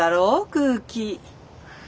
空気。